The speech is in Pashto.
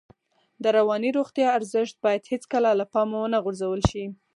د رواني روغتیا ارزښت باید هېڅکله له پامه ونه غورځول شي.